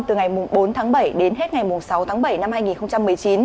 từ ngày bốn tháng bảy đến hết ngày sáu tháng bảy năm hai nghìn một mươi chín